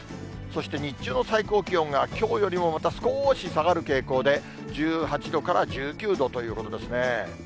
そして日中の最高気温が、きょうよりもまた少し下がる傾向で、１８度から１９度ということですね。